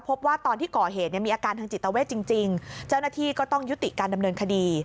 พบว่าตอนที่ก่อเหตุเนี่ยมีอาการทางจิตเวทจริงเจ้าหน้าที่ก็ต้องยุติการดำเนินคดี